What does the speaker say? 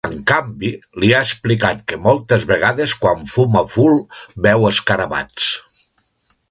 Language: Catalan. En canvi, li ha explicat que moltes vegades quan fuma ful veu escarabats.